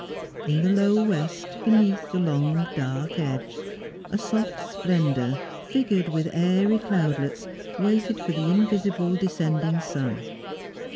In the low west, beneath the long dark edge, a soft splendour, figured with airy cloudlets, waited for the invisible descending sun.